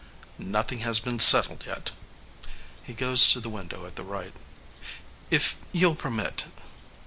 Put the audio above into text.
AMADEUS Nothing has been settled yet. (He goes to the window at the right) If you'll permit....